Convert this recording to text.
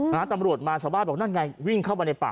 ตำรวจมาชาวบ้านบอกนั่นไงวิ่งเข้ามาในป่า